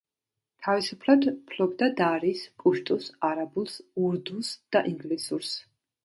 თავისუფლად ფლობდა დარის, პუშტუს, არაბულს, ურდუს და ინგლისურს.